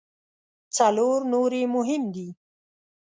څلور نور یې مهم دي.